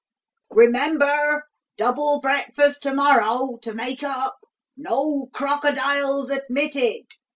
"Remember, double breakfast to morrow, to make up: no crocodiles admitted